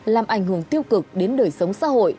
làm ảnh hưởng tiêu cực đến đời sống xã hội